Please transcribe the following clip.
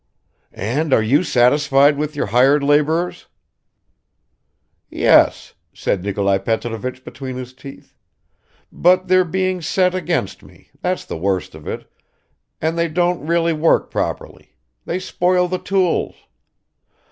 "And are you satisfied with your hired laborers?" "Yes," said Nikolai Petrovich between his teeth. "But they're being set against me, that's the worst of it, and they don't really work properly; they spoil the tools.